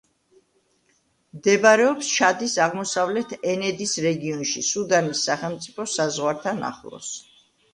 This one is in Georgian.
მდებარეობს ჩადის აღმოსავლეთ ენედის რეგიონში, სუდანის სახელმწიფო საზღვართან ახლოს.